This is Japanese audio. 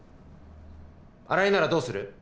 新井ならどうする？